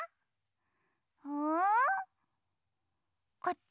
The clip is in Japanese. うん？こっち？